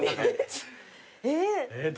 えっ。